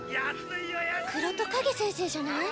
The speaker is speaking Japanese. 黒戸カゲ先生じゃない？